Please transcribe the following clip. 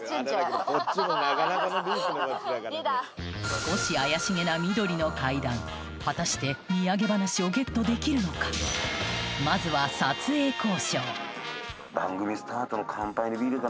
少し怪しげな緑の階段果たしてみやげ話をゲットできるのかまずは撮影交渉いいですか？